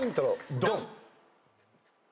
ドン！